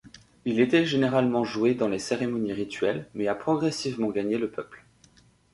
Il était généralement joué dans les cérémonies rituelles mais a progressivement gagné le peuple.